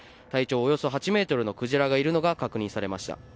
およそ８ｍのクジラがいるのが確認されました。